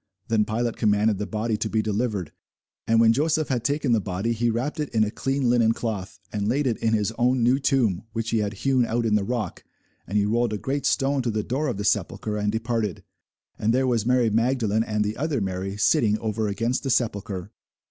Then Pilate commanded the body to be delivered. And when Joseph had taken the body, he wrapped it in a clean linen cloth, and laid it in his own new tomb, which he had hewn out in the rock: and he rolled a great stone to the door of the sepulchre, and departed. And there was Mary Magdalene, and the other Mary, sitting over against the sepulchre.